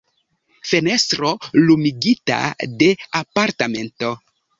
Fenestro lumigita de apartamento.